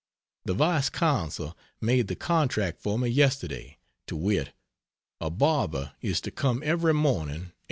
The Vice Consul made the contract for me yesterday to wit: a barber is to come every morning 8.